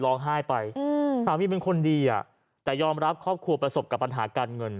ร้องไห้ไปสามีเป็นคนดีอ่ะแต่ยอมรับครอบครัวประสบกับปัญหาการเงิน